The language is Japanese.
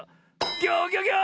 ギョギョギョ！